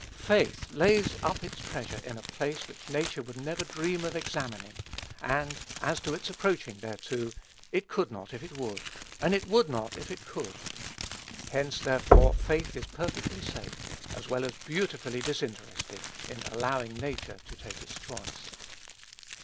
Faith lays up its treasure in a place which nature would never dream of examining and, as to its approaching thereto, it could not if it would; and it would not if it could. Hence, therefore, faith is perfectly safe, as well as beautifully disinterested, in allowing nature to take its choice.